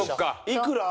いくら？